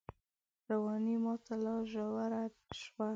رواني ماته لا ژوره شوه